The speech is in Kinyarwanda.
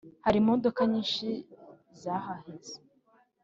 Hari imodoka nyinshi zahaheze